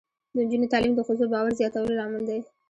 د نجونو تعلیم د ښځو باور زیاتولو لامل دی.